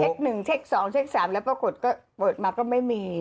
เช็กหนึ่งเช็กสองเช็กสามแล้วปรากฏก็เปิดมาก็ไม่มี